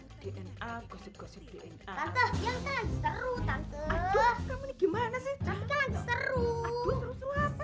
gosip gosip dna tante iya tante seru tante aduh kamu ini gimana sih tante kan seru tante